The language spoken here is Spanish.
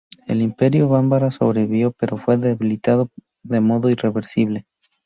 El Imperio Bambara sobrevivió pero fue debilitado de modo irreversible.